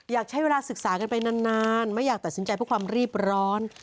อยากใช้เวลาศึกษากันไปนานไม่อยากตัดสินใจเพื่อความรีบร้อน